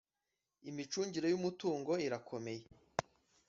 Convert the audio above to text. Imicungire y ‘umutungo irakomeye.